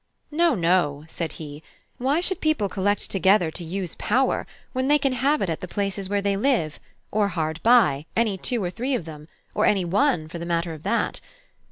"No, no," said he. "Why should people collect together to use power, when they can have it at the places where they live, or hard by, any two or three of them; or any one, for the matter of that?